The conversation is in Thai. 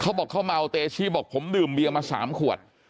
เขาบอกเขาเมาเตชี่บอกผมดื่มเบียมา๓ขวด